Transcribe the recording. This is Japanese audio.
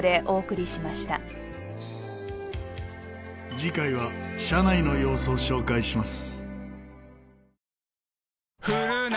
次回は車内の様子を紹介します。